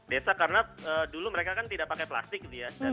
desa karena dulu mereka kan tidak pakai plastik gitu ya